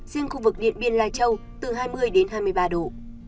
riêng khu vực điện biên lai châu từ hai mươi đến hai mươi ba độ